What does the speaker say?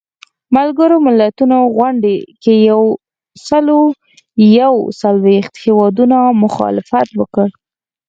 ملګرو ملتونو غونډې کې یو سلو یو څلویښت هیوادونو مخالفت وکړ.